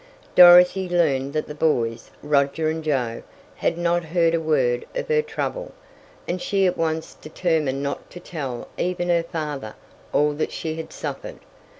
Dorothy learned that the boys, Roger and Joe, had not heard a word of her trouble, and she at once determined not to tell even her father all that she had suffered.